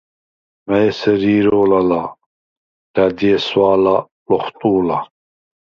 მა̈ჲ ესერ ირო̄ლ ალა̄, ლა̈დი ესვა̄ლა ლოხვტუ̄ლა: